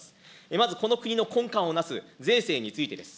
まずこの国の根幹をなす税制についてです。